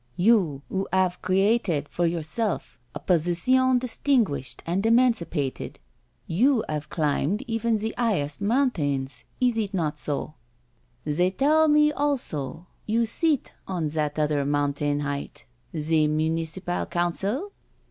You, who have created for yourself a position distinguished and eman cipated. You have climbed even the highest moun tains — is it not so? They tell me also you sit on that other mountain height, the Municipal Council?"